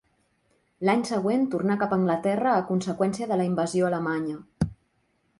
L'any següent tornà cap a Anglaterra a conseqüència de la invasió alemanya.